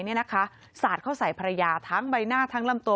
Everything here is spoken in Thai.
เนี่ยนะคะสาดเข้าใส่ภรรยาทั้งใบหน้าทั้งลำตัว